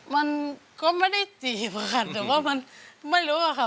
มันก็ไม่ได้จีบอะค่ะแต่ว่ามันไม่รู้อะค่ะ